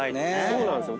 そうなんですよ。